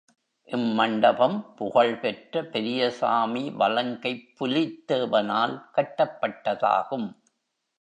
இம் மண்டபம், புகழ் பெற்ற பெரியசாமி வலங்கைப் புலித் தேவ னால் கட்டப்பட்டதாகும்.